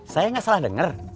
saya gak salah denger